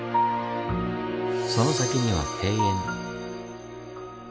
その先には庭園。